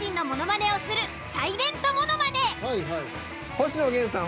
「星野源さん」